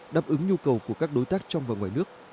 đáp ứng nhu cầu của các đối tác trong và ngoài nước